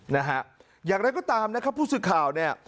นะฮะอย่างไรก็ตามนะครับผู้สื่อข่าวเนี่ย